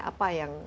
apa yang harusnya